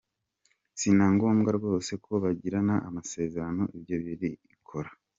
Si na ngombwa rwose ko bagirana amasezerano, ibyo birikora.